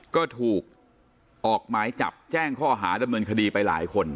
ก็ถูกออกหมายจับแจ้งข้อหาดำเนินคดีไปหลายคน